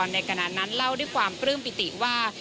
ในขณะนั้นเล่าด้วยความปลื้มปิติว่า